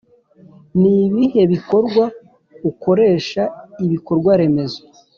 Nibihe Bikorwa ukoresha ibikorwaremezo